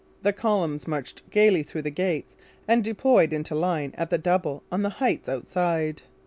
The columns marched gaily through the gates and deployed into line at the double on the Heights outside.